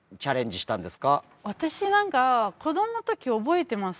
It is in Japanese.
私なんか子供の時覚えてます。